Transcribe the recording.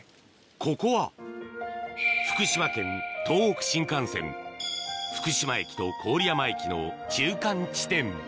ここは福島県東北新幹線福島駅と郡山駅の中間地点